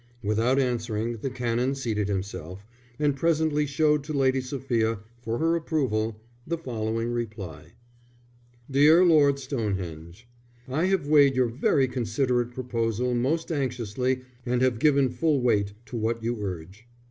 Without answering, the Canon seated himself, and presently showed to Lady Sophia, for her approval, the following reply. DEAR LORD STONEHENGE, _I have weighed your very considerate proposal most anxiously and have given full weight to what you urge.